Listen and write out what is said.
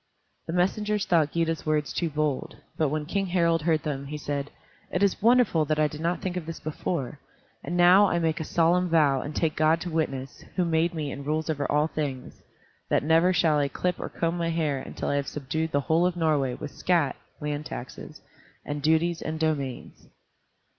The messengers thought Gyda's words too bold, but when King Harald heard them, he said, "It is wonderful that I did not think of this before. And now I make a solemn vow and take God to witness, who made me and rules over all things, that never shall I clip or comb my hair until I have subdued the whole of Norway with scat [land taxes], and duties, and domains."